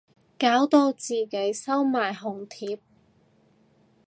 搞到自己收埋紅帖